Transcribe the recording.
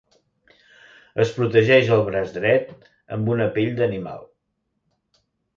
Es protegeix el braç dret amb una pell d'animal.